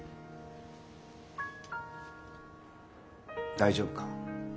大丈夫か？